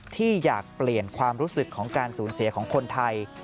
ที่อยากเปลี่ยนความรู้สึกของการสูญเสียของคนไทย